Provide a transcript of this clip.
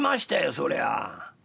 そりゃあ。